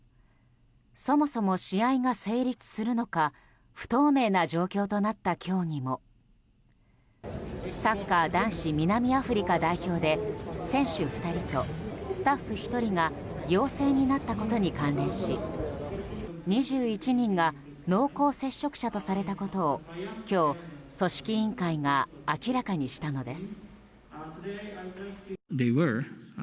そもそも、試合が成立するのか不透明な状況となった今日にもサッカー男子南アフリカ代表で選手２人とスタッフ１人が陽性になったことに関連し２１人が濃厚接触者とされたことを今日、組織委員会が明らかにしたのです。